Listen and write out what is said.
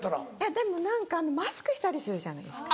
でも何かマスクしたりするじゃないですか。